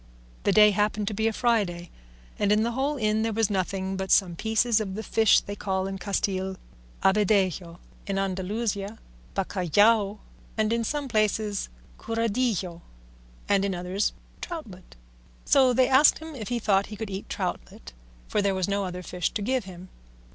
The day happened to be a Friday, and in the whole inn there was nothing but some pieces of the fish they call in Castile "abadejo," in Andalusia "bacallao," and in some places "curadillo," and in others "troutlet;" so they asked him if he thought he could eat troutlet, for there was no other fish to give him.